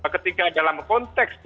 ketika dalam konteks